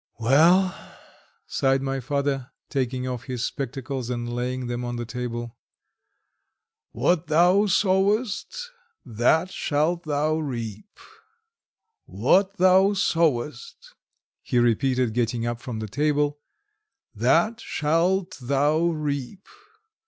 "Well," sighed my father, taking off his spectacles, and laying them on the table. "What thou sowest that shalt thou reap. What thou sowest," he repeated, getting up from the table, "that shalt thou reap.